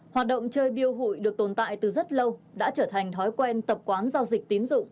hoạt động chơi biêu hụi được tồn tại từ rất lâu đã trở thành thói quen tập quán giao dịch tín dụng